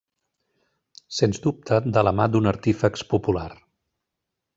Sens dubte, de la mà d'un artífex popular.